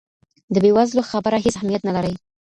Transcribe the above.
د بې وزلو خبره هیڅ اهمیت نه لري.